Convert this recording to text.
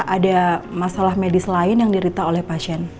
ada masalah medis lain yang dirita oleh pasien